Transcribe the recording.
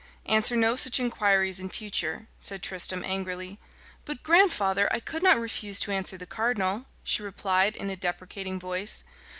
"Answer no such inquiries in future," said Tristram angrily. "But, grandfather, I could not refuse to answer the cardinal," she replied, in a deprecating voice.